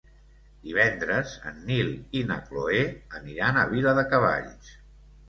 Divendres en Nil i na Cloè aniran a Viladecavalls.